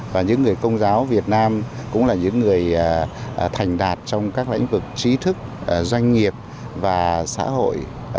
và những người công giáo việt nam cũng là những người thành đạt trong các lĩnh vực trí thức doanh nghiệp và xã hội